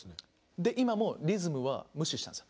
で今もリズムは無視したんです。